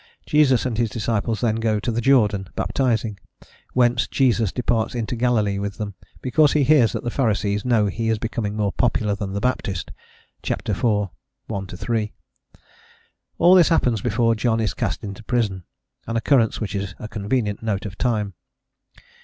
Jesus and his disciples then go to the Jordan, baptising, whence Jesus departs into Galilee with them, because he hears that the Pharisees know he is becoming more popular than the Baptist (ch. iv. 1 3). All this happens before John is cast into prison, an occurrence which is a convenient note of time.